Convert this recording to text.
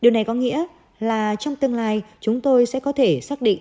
điều này có nghĩa là trong tương lai chúng tôi sẽ có thể xác định